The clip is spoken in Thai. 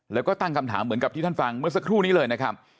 แล้วก็ตั้งคำถามเหมือนกับที่ท่านฟังเมื่อสักครู่นี้เลยนะครับ